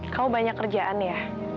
kamu banyak kerjaan ya